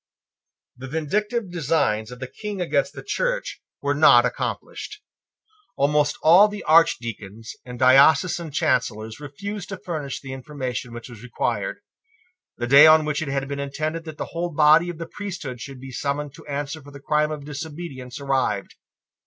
The vindictive designs of the King against the Church were not accomplished. Almost all the Archdeacons and diocesan Chancellors refused to furnish the information which was required. The day on which it had been intended that the whole body of the priesthood should be summoned to answer for the crime of disobedience arrived.